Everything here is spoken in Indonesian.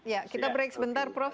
ya kita break sebentar prof